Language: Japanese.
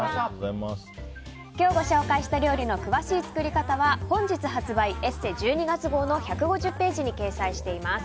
今日ご紹介した料理の詳しい作り方は本日発売「ＥＳＳＥ」１２月号の１５０ページに掲載しています。